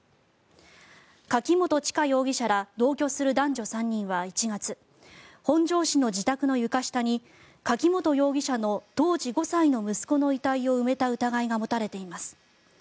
柿本知香容疑者ら同居する男女３人は１月本庄市の自宅の床下に柿本容疑者の当時５歳の息子の遺体を埋めた疑いが持たれています。